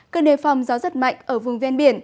cơn đề phòng gió rất mạnh ở vùng vnb